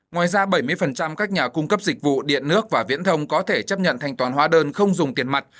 ngoài ra bảy mươi các nhà cung cấp dịch vụ điện nước và viễn thông có thể chấp nhận thanh toán hóa đơn không dùng tiền mặt